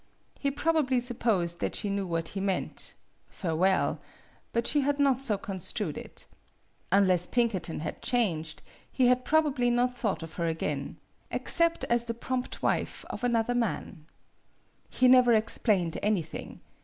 He probably supposed that she knew what he meant farewell ; but she had not so con strued it. Unless Pinkerton had changed, he had probably not thought of her again except as the prompt wife of another man. MADAME BUTTERFLY 63 He never explained anything.